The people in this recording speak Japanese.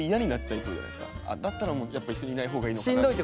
だったらもうやっぱ一緒にいない方がいいのかなって。